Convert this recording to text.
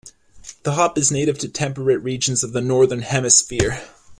The hop is native to temperate regions of the Northern Hemisphere.